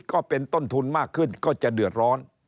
ก็เป็นต้นทุนมากขึ้นก็จะเดือดร้อน